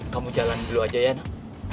kamu jalan dulu aja ya dok